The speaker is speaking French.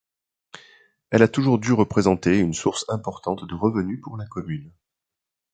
Elle a toujours dû représenter une source importante de revenus pour la commune.